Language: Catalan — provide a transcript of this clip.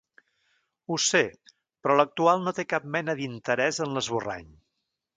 Ho sé, però l’actual no té cap mena d’interès en l’esborrany.